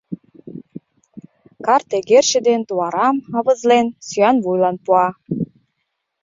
Карт эгерче ден туарам, авызлен, сӱанвуйлан пуа.